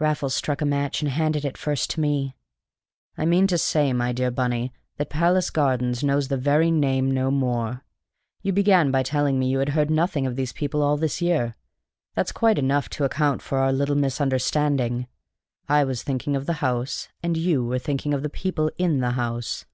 Raffles struck a match, and handed it first to me. "I mean to say, my dear Bunny, that Palace Gardens knows the very name no more. You began by telling me you had heard nothing of these people all this year. That's quite enough to account for our little misunderstanding. I was thinking of the house, and you were thinking of the people in the house."